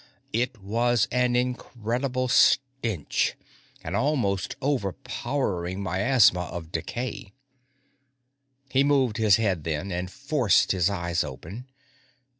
It was an incredible stench, an almost overpowering miasma of decay. He moved his head then, and forced his eyes open.